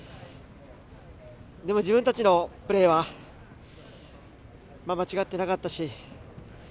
でも自分たちのプレーは間違ってなかったし。